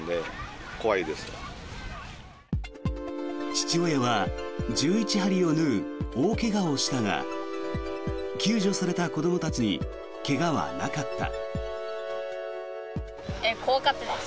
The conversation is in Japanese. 父親は１１針を縫う大怪我をしたが救助された子どもたちに怪我はなかった。